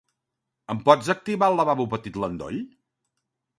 Em pots activar al lavabo petit l'endoll?